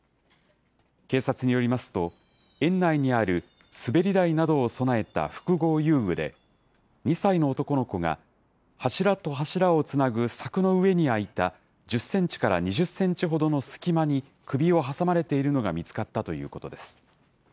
警察によりますと、園内にある滑り台などを備えた複合遊具で、２歳の男の子が、柱と柱をつなぐ柵の上に空いた１０センチから２０センチほどの隙間に首を挟まれているのが見つかったということです。